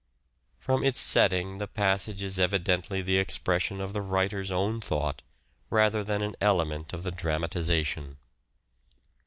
SPECIAL CHARACTERISTICS 127 From its setting the passage is evidently the ex pression of the writer's own thought rather than an element of the dramatization.